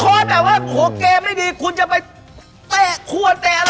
โอ้เกมไม่ดีคุณจะไปเตาะขวดเตะอะไรล่ะ